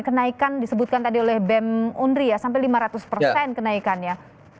kenaikan disebutkan tadi oleh bem undri ya sampai lima ratus persen kenaikannya